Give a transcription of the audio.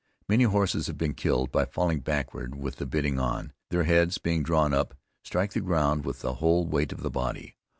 Many horses have been killed by falling backward with the bitting on, their heads being drawn up, strike the ground with the whole weight of the body.